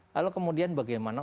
lalu kemudian bagaimana